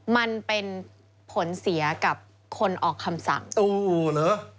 มันเป็นผลเสียกับคนออกคำสั่งโอ้เหรอ